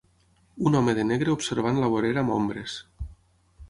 Un home de negre observant la vorera amb ombres.